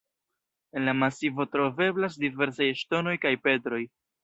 En la masivo troveblas diversaj ŝtonoj kaj petroj.